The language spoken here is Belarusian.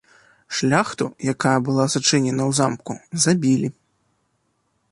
Шляхту, якая была зачыненая ў замку, забілі.